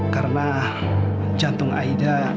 karena jantung aida